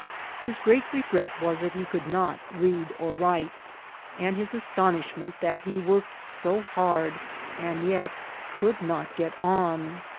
His great regret was that he could not read or write, and his as tonishment that he worked hard and yet could not get on.